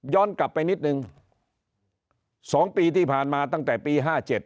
กลับไปนิดนึง๒ปีที่ผ่านมาตั้งแต่ปี๕๗